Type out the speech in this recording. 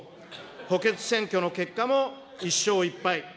補欠選挙の結果も１勝１敗。